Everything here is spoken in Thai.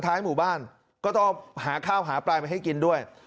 ท้ายหมู่บ้านก็ต้องหาข้าวหาไปให้กินด้วย